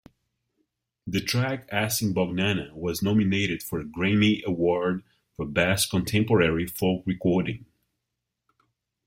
The track "Asimbognagna" was nominated for a Grammy Award for "Best Contemporary Folk Recording".